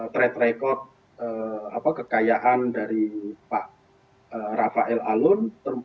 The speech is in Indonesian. track record kekayaan dari pak rafael alun